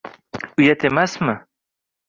Uyat emasmi!